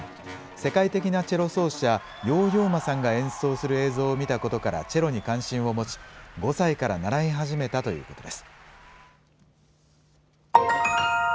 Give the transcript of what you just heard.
世界的なチェロ奏者ヨーヨー・マさんが演奏する映像を見たことからチェロに関心を持ち５歳から習い始めたということです。